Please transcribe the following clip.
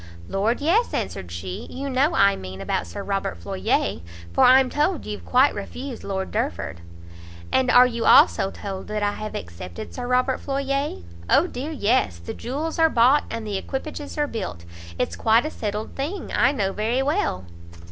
"Lord yes," answered she, "you know I mean about Sir Robert Floyer; for I'm told you've quite refused Lord Derford." "And are you also told that I have accepted Sir Robert Floyer?" "O dear yes! the jewels are bought, and the equipages are built; it's quite a settled thing, I know very well."